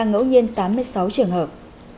ngẫu nhiên tám mươi sáu trường hợp